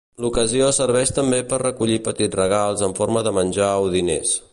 L'ocasió serveix també per recollir petits regals en forma de menjar o diners.